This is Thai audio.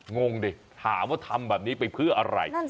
งงดิถามว่าทำแบบนี้ไปเพื่ออะไร